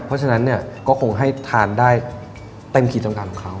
เพราะฉะนั้นเนี่ยก็คงให้ทานได้เต็มขีดจำการของเขา